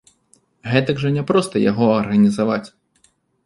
Гэтак жа не проста яго арганізаваць.